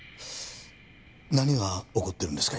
何が起こってるんですか？